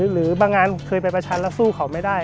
หรือบางงานเคยไปประชันแล้วสู้เขาไม่ได้